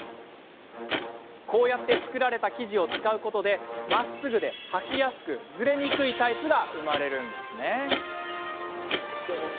こうやって作られた生地を使うことでまっすぐで、はきやすくズレにくいタイツが生まれるんですね。